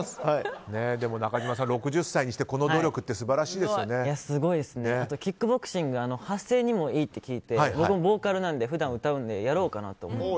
でも、中島さん６０歳にしてこの努力キックボクシング発声にもいいって聞いて僕もボーカルで普段、歌うのでやろうかなと思って。